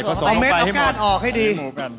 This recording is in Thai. เอาแม่มีก้านออกให้ดี